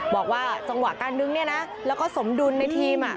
บอกว่าจังหวะการดึงเนี่ยนะแล้วก็สมดุลในทีม